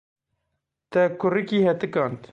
Te kurikî hetikand.